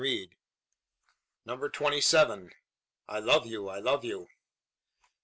CHAPTER TWENTY SEVEN. I LOVE YOU! I LOVE YOU!